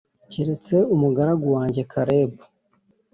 keretse umugaragu wanjye Kalebu